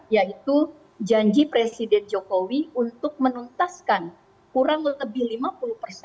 yaitu janji presiden jokowi untuk menuntaskan kurang lebih lima puluh persen